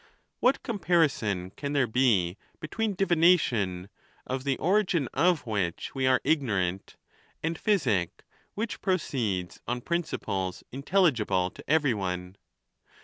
What comparison can there be between divination, of the origin of which we are ignorant, and physic, which proceeds on principles intel ligible to every one